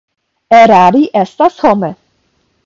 Erari estas home.